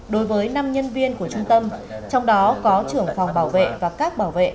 đối với năm nhân viên của trung tâm trong đó có trưởng phòng bảo vệ và các bảo vệ